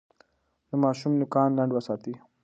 د ماشوم نوکان لنډ وساتئ.